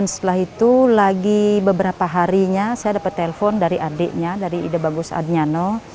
setelah itu beberapa hari lagi saya mendapatkan telepon dari adiknya ide bagus adnyano